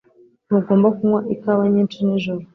Ntugomba kunywa ikawa nyinshi nijoro.